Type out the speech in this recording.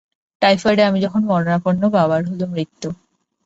টাইফয়েডে আমি যখন মরণাপন্ন, বাবার হল মৃত্যু।